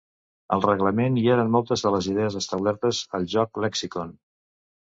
Al reglament hi eren moltes de les idees establertes al joc "Lexicon".